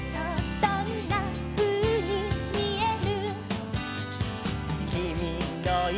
「どんなふうにみえる？」